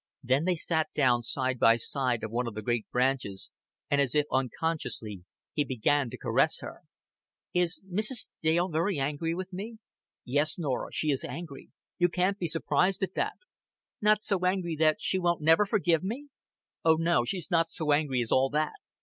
Then they sat down side by side on one of the great branches, and as if unconsciously he began to caress her. "Is Mrs. Dale very angry with me?" "Yes, Norah, she is angry. You can't be surprised at that." "Not so angry that she won't never forgive me?" "Oh, no, she's not so angry as all that."